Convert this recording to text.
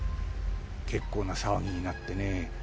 結構な騒ぎになってね。